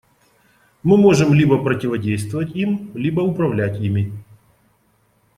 Мы можем либо противодействовать им, либо управлять ими.